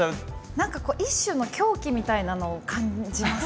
何か一種の狂気みたいのを感じます。